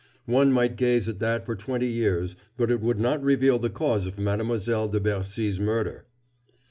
One might gaze at that for twenty years, but it would not reveal the cause of Mademoiselle de Bercy's murder."